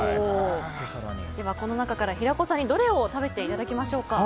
では、この中から平子さんにどれを食べていただきましょうか。